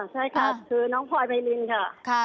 ใช่ค่ะคือน้องพลอยไพรินค่ะ